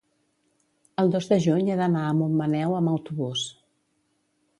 el dos de juny he d'anar a Montmaneu amb autobús.